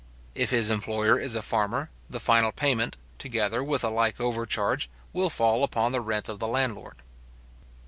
If his employer is a farmer, the final payment, together with a like overcharge, will fall upon the rent of the landlord.